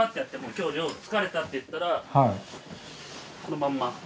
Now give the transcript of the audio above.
今日漁疲れたっていったらこのまんま。